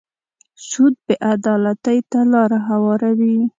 سود بې عدالتۍ ته لاره هواروي.